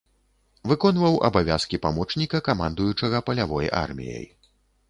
Выконваў абавязкі, памочніка камандуючага палявой арміяй.